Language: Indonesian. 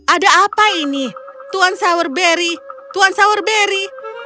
ada apa ini tuan sowerberry tuan sowerberry